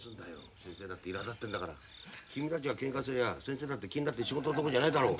先生だっていらだってんだから君たちがケンカすりゃ先生だって気になって仕事どころじゃないだろう。